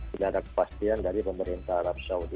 tidak ada kepastian dari pemerintah arab saudi